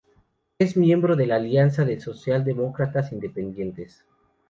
Es miembro de la Alianza de Socialdemócratas Independientes.